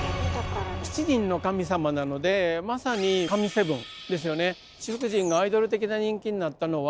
７人の神様なのでまさに「神７」ですよね。